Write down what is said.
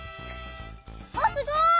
あっすごい！